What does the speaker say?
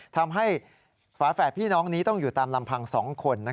ทำให้ฝาแฝดพี่น้องนี้ต้องอยู่ตามลำพัง๒คน